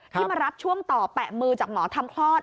ที่มารับช่วงต่อแปะมือจากหมอทำคลอด